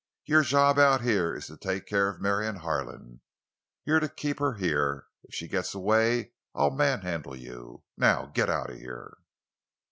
Your job out here is to take care of Marion Harlan. You're to keep her here. If she gets away I'll manhandle you! Now get out of here!"